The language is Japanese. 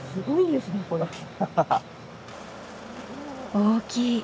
大きい！